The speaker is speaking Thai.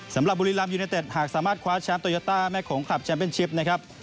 สำหรับบุรีรัมยูเนเต็ดหากสามารถคว้าแชมป์โตโยต้าแม่โขงคลับแชมเป็นชิปนะครับ